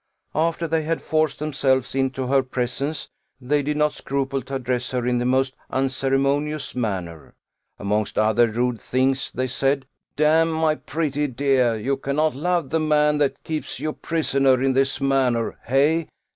After they had forced themselves into her presence, they did not scruple to address her in the most unceremonious manner. Amongst other rude things, they said, "Damme, my pretty dear, you cannot love the man that keeps you prisoner in this manner, hey?